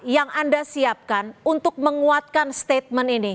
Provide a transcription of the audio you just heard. yang anda siapkan untuk menguatkan statement ini